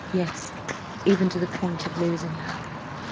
Yes, even to the point of losing her!"